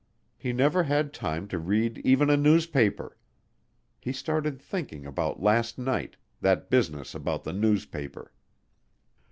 He never had time to read even a newspaper. He started thinking about last night, that business about the newspaper.